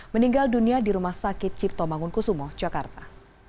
meninggal dunia di rumah sakit cipto mangunkusumo jakarta